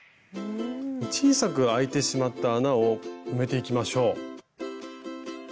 小さくあいてしまった穴を埋めていきましょう。